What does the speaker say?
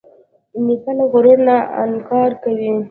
نیکه له غرور نه انکار کوي.